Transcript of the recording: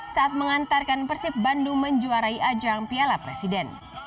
saat mengantarkan persib bandung menjuarai ajang piala presiden